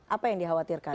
apa yang dikhawatirkan